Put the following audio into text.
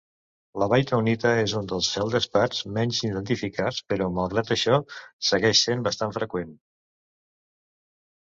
La bytownita és un dels feldespats menys identificats, però malgrat això, segueix sent bastant freqüent.